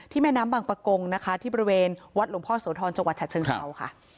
ที่แม่น้ำบังปะกงนะคะที่บริเวณวัดหลวงพ่อสวทรจังหวัดชาติเชิงเศร้าค่ะ